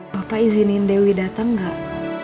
bapak izinin dewi datang nggak